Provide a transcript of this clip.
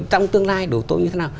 trong tương lai đối với tôi như thế nào